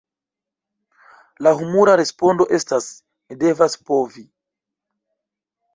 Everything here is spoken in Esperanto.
La humura respondo estas "Ni devas povi!